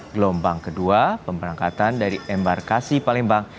gelombang ke dua pemberangkatan dari embarkasi palembang